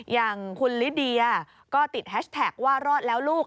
อย่างคุณลิเดียก็ติดแฮชแท็กว่ารอดแล้วลูก